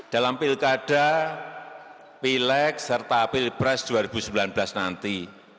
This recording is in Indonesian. dalam pilkada pileg serta pilpres dua ribu sembilan belas nanti